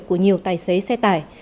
của nhiều tài xế xe tải